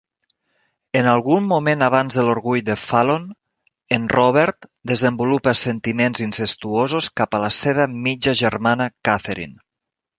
En algun moment abans de l'Orgull de Fallon, en Robert desenvolupa sentiments incestuosos cap a la seva mitja germana Catherine.